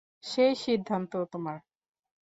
সেই সিদ্ধান্ত তোমার।